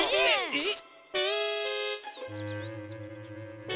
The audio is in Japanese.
えっ？